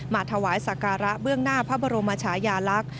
มาถวายศักระเบื้องหน้าผสยาลักษณ์